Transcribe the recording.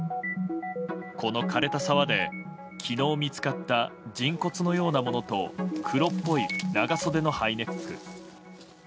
この枯れた沢で昨日、見つかった人骨のようなものと黒っぽい長袖のハイネック。